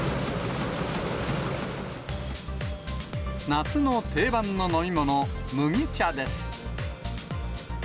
夏の定番の飲み物、麦茶です。